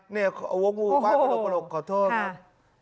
เนี่ยโว้งไว้ประโลกขอโทษครับ